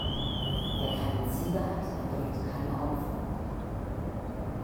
Wer keine Ziele hat, erbringt keine Opfer.